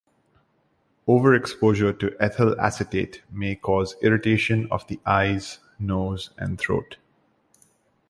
Overexposure to ethyl acetate may cause irritation of the eyes, nose, and throat.